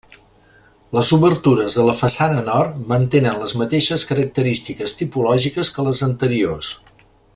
Les obertures de la façana nord mantenen les mateixes característiques tipològiques que les anteriors.